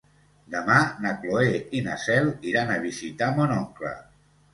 Demà na Cloè i na Cel iran a visitar mon oncle.